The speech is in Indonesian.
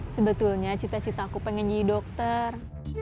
sebetulnya cinta cinta aku pengen jadi dokter